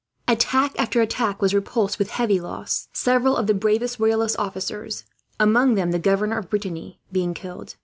Attack after attack was repulsed, with heavy loss; several of the bravest royalist officers, among them the governor of Brittany, being killed.